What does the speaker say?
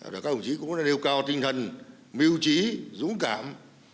các đồng chí cũng đã nêu cao tinh thần mưu trí dũng cảm